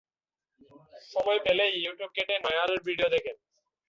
সময় পেলেই ইউটিউব ঘেঁটে নয়্যারের ভিডিও দেখেন।